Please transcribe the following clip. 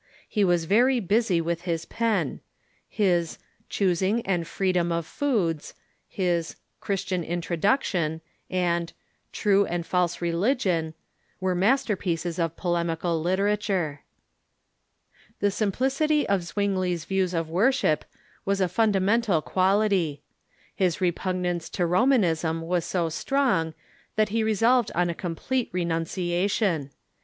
He was very busy Avith his pen. His " Choosing and Freedom of Foods," his "Christian Introduction," and "True and False Relig ion " were masterpieces of polemical literature. The simplicity of Zwingli's views of worship Avas a funda mental quality. His repugnance to Romanism was so strong „.... that he resolved on a complete renunciation.